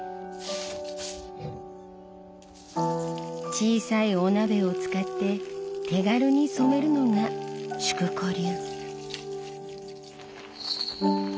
小さいお鍋を使って手軽に染めるのが淑子流。